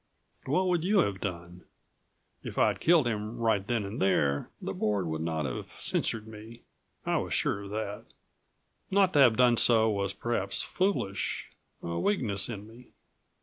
What would you have done? If I'd killed him right then and there, the Board would not have censured me. I was sure of that. Not to have done so was perhaps foolish, a weakness in me.